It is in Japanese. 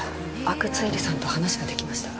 阿久津絵里さんと話ができました